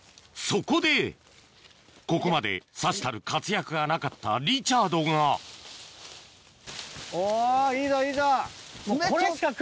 そこでここまでさしたる活躍がなかったリチャードがおぉいいぞいいぞ。